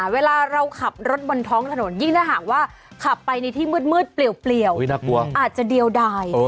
เวลาเราขับรถบนท้องถนนยิ่งถ้าหากว่าขับไปในที่มืดเปลี่ยวอาจจะเดียวได้